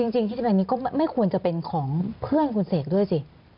จริงที่จะเป็นนี้ก็ไม่ควรจะเป็นของเพื่อนคุณเสกด้วยสิ